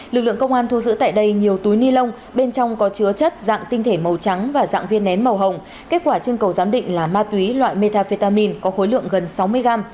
lực lượng công an thu giữ tại đây nhiều túi ni lông bên trong có chứa chất dạng tinh thể màu trắng và dạng viên nén màu hồng kết quả trưng cầu giám định là ma túy loại metafetamin có khối lượng gần sáu mươi gram